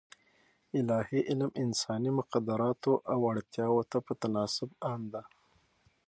الاهي علم انساني مقدراتو او اړتیاوو ته په تناسب عام دی.